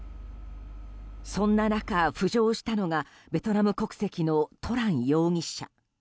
そんな中、浮上したのがベトナム国籍のトラン容疑者。